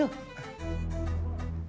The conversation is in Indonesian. lu ngapain berdiri di situ